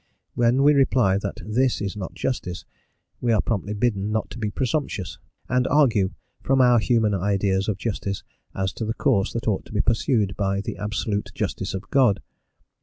When we reply that this is not justice, we are promptly bidden not to be presumptuous and argue from our human ideas of justice as to the course that ought to be pursued by the absolute justice of God.